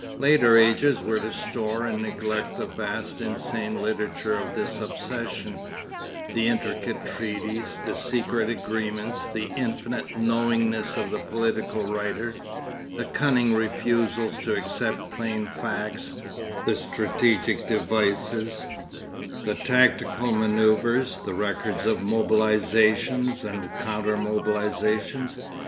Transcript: Later ages were to store and neglect the vast insane literature of this obsession, the intricate treaties, the secret agreements, the infinite knowingness of the political writer, the cunning refusals to accept plain facts, the strategic devices, the tactical manœuvres, the records of mobilisations and counter mobilisations.